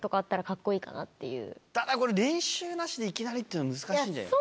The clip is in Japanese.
ただこれ練習なしでいきなりっていうのは難しいんじゃない？